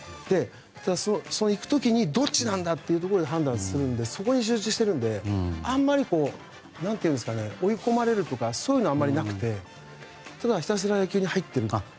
行く時にどっちなんだというところで判断するのでそこに集中しているのであんまり追い込まれるとかそういうのはあまりなくてただひたすら野球に入っている。